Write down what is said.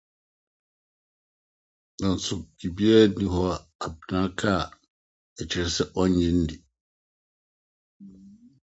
Nanso, biribiara nni hɔ a Abena ka a ɛkyerɛ sɛ onnye nni.